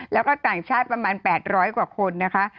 แล้วก็ต่างชาติประมาณ๘๐๐กว่าคนนะคะ